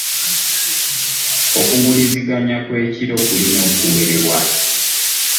Okuguliziganya kw'ekiro kulina okuwerebwa.